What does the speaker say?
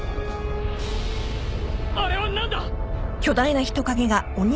あれは何だ！？